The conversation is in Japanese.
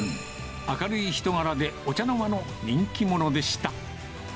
明るい人柄でお茶の間の人気者でした。